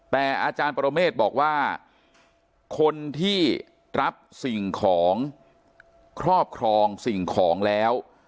แต่อาจารย์ปรเมฆบอกว่าคนที่รับสิ่งของครอบครองสิ่งของแล้ว